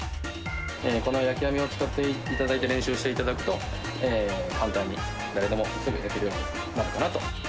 この焼き網を使って練習をしていただくと、簡単に誰でもすぐ焼けるようになるかなと。